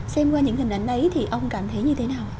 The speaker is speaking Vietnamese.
xem qua những hình ảnh đấy thì ông cảm thấy như thế nào